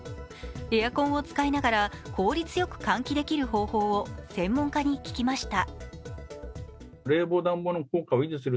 エアコンを使いながら効率よく換気できる方法を専門家に聞きました。